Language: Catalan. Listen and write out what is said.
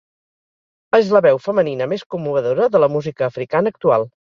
És la veu femenina més commovedora de la música africana actual.